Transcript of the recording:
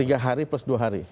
tiga hari plus dua hari